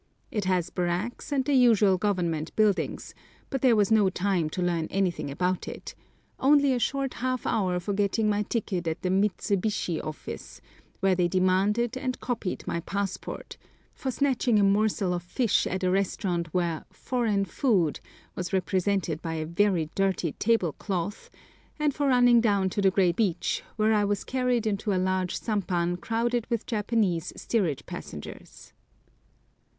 It has barracks and the usual Government buildings, but there was no time to learn anything about it,—only a short half hour for getting my ticket at the Mitsu Bishi office, where they demanded and copied my passport; for snatching a morsel of fish at a restaurant where "foreign food" was represented by a very dirty table cloth; and for running down to the grey beach, where I was carried into a large sampan crowded with Japanese steerage passengers.